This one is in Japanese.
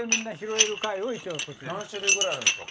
何種類ぐらいあるんすか？